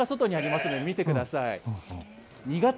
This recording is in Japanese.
プレートが外にありますので、見てください。